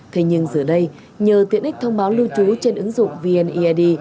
thế nhưng giờ đây nhờ tiện ích thông báo lưu trú trên ứng dụng vneid